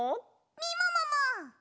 みももも。